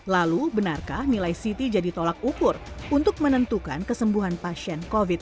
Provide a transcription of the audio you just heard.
lalu benarkah nilai ct jadi tolak ukur untuk menentukan kesembuhan pasien covid sembilan belas